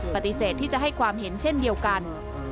ปฏิเสธที่จะให้ความเห็นเช่นเดียวกัน